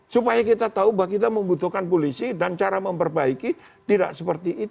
supaya kita tahu bahwa kita membutuhkan polisi dan cara memperbaiki polisi